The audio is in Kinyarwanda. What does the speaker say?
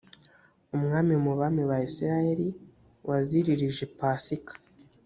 umwami mu bami ba isirayeli waziririje pasika